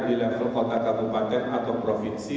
di level kota kabupaten atau provinsi